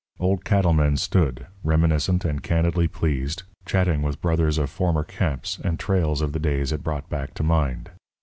Old cattlemen stood, reminiscent and candidly pleased, chatting with brothers of former camps and trails of the days it brought back to mind.